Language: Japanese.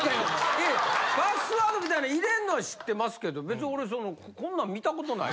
いやいやパスワードみたいな入れんのは知ってますけど別に俺そのこんなん見たことない。